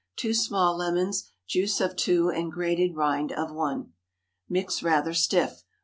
2 small lemons, juice of two and grated rind of one. Mix rather stiff.